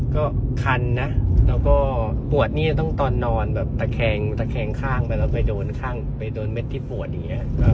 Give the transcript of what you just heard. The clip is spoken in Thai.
ก็คันนะแล้วก็ปวดนี่จะต้องตอนนอนแบบตะแคงข้างไปแล้วไปโดนข้างไปโดนเม็ดที่ปวดอย่างนี้